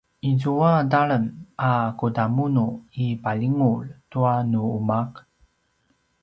izua talem a kudamunu i palingulj tua nu umaq?